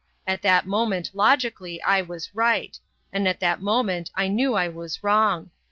At that moment logically I was right. And at that moment I knew I was wrong.